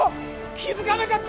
気づかなかった！